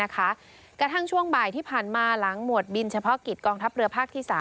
กระทั่งช่วงบ่ายที่ผ่านมาหลังหมวดบินเฉพาะกิจกองทัพเรือภาคที่๓